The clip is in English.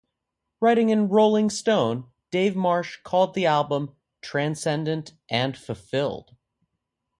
Writing in "Rolling Stone", Dave Marsh called the album "transcendent and fulfilled.